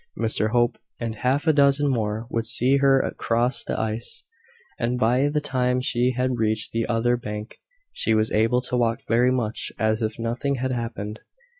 Mr Hope and half a dozen more would see her across the ice; and by the time she had reached the other bank, she was able to walk very much as if nothing had happened.